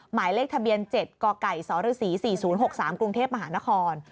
หมายเลขทะเบียน๗กไก่สรศ๔๐๖๓กรุงเทพมหานคร